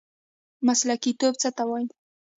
مسلکي توب څه ته وایي؟